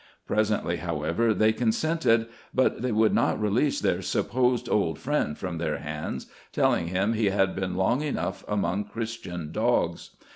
Presently, however, they consented ; but they would not release their supposed old friend from their hands, telling him he had been long enough among christian dogs.